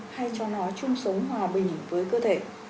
hay cho nó chung sống hòa bình với cơ thể